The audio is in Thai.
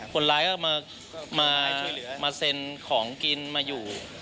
คนร้ายก็มาเซ็นของกินมาอยู่